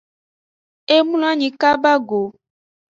E mlonanyi kaba go.